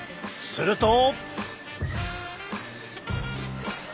すると。